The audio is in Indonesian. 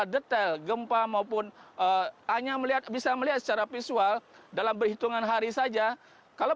detail gempa maupun hanya melihat bisa melihat secara visual dalam perhitungan hari saja kalau